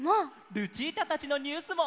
ルチータたちのニュースも。